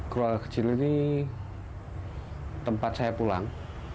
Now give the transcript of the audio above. keluarga kecil ini tempat saya pulang